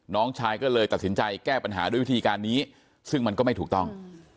น้องชายก็เลยตัดสินใจแก้ปัญหาด้วยวิธีการนี้ซึ่งมันก็ไม่ถูกต้อง